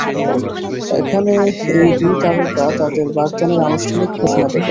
এখানে এই দুই তারকা তাঁদের বাগদানের আনুষ্ঠানিক ঘোষণা দেবেন।